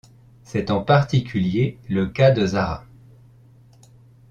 C'est en particulier le cas de Zara.